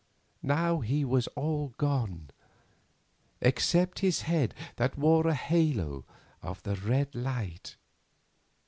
Now he was all gone, except his head that wore a halo of the red light.